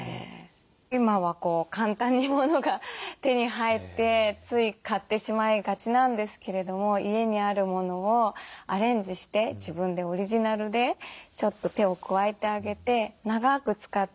今は簡単に物が手に入ってつい買ってしまいがちなんですけれども家にあるものをアレンジして自分でオリジナルでちょっと手を加えてあげて長く使って愛せる。